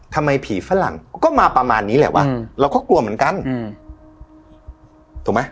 ทำไมผีฝรั่งก็มาประมาณนี้แหละวะเราก็กลัวเหมือนกันอืมถูกไหม